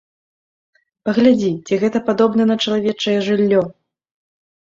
Паглядзі, ці гэта падобна на чалавечае жыллё!